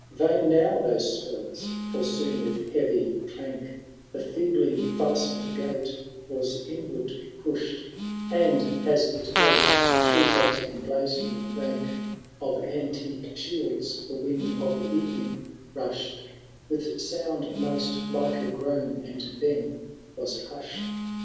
Vain now those spells ; for soon with heavy clank The feebly fasten'd gate was inward pushed. Canto VI, HAROLD thy dauntless. 185 And, as it oped, tkrough that emblazoned rank Of antique shields, the wind of evening rushM With sound most Uke a groan, and then was hush'd.